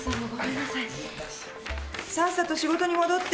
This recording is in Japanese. さっさと仕事に戻って。